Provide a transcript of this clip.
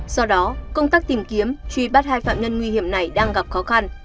do đó công tác tìm kiếm truy bắt hai phạm nhân nguy hiểm này đang gặp khó khăn